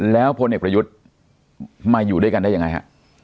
แล้วพลเอกประยุทธ์มาอยู่ด้วยกันได้ยังไงฮะ